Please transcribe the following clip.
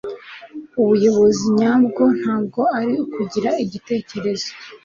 ubuyobozi nyabwo ntabwo ari ukugira igitekerezo